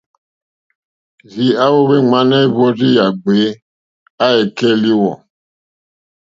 Rzii a wowi ŋmana èhvrozi ya gbèe, a e kɛ liwɔ̀,.